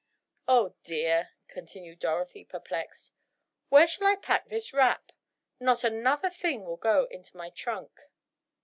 Oh dear," continued Dorothy, perplexed, "where shall I pack this wrap? Not another thing will go into my trunk."